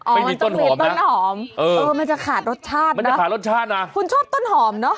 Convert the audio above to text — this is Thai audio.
ไม่มีต้นหอมนะเออมันจะขาดรสชาตินะคุณชอบต้นหอมเนอะ